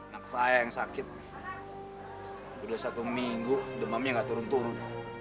anak saya yang sakit udah satu minggu demamnya nggak turun turun